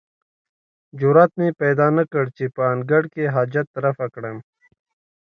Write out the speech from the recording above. جرئت مې پیدا نه کړ چې په انګړ کې حاجت رفع کړم.